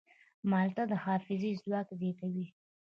مالټه د حافظې ځواک زیاتوي.